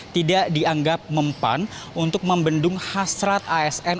tidak dianggap mempan untuk membendung hasrat asn